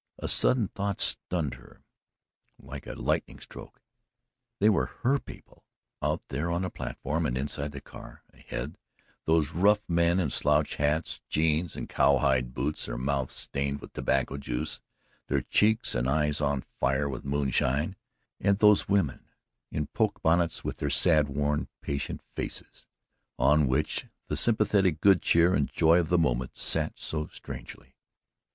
A sudden thought stunned her like a lightning stroke. They were HER people out there on the platform and inside the car ahead those rough men in slouch hats, jeans and cowhide boots, their mouths stained with tobacco juice, their cheeks and eyes on fire with moonshine, and those women in poke bonnets with their sad, worn, patient faces on which the sympathetic good cheer and joy of the moment sat so strangely.